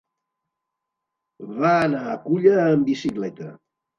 Va anar a Culla amb bicicleta.